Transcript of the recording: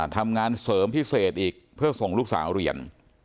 ทำงานเสริมพิเศษอีกเพื่อส่งลูกสาวเรียน